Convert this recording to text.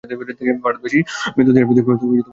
ভারতবাসীদের মৃতদেহের প্রতি কোন দৃষ্টি নাই।